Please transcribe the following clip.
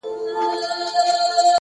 خپل ژوند د مانا او خدمت لور ته بوځئ،